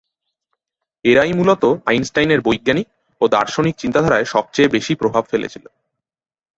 এরাই মূলত আইনস্টাইনের বৈজ্ঞানিক ও দার্শনিক চিন্তাধারায় সবচেয়ে বেশি প্রভাব ফেলেছিল।